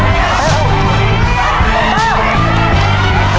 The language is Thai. ไหลนะ